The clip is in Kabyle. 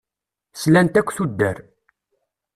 Slant akk tuddar.